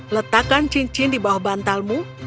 letakkan cincin di bawah bantalmu